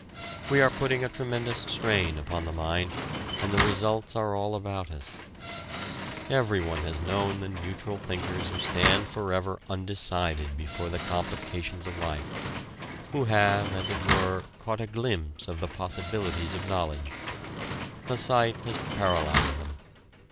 We are putting a tremendous strain upon the mind, and the results are all about us: everyone has known the neutral thinkers who stand forever undecided before the complications of life, who have, as it were, caught a glimpse of the possibilities of knowledge. The sight has paralyzed them.